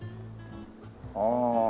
ああ。